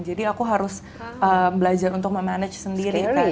jadi aku harus belajar untuk memanage sendiri